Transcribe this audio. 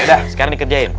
yaudah sekarang dikerjain